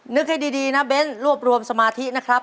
ให้ดีนะเบ้นรวบรวมสมาธินะครับ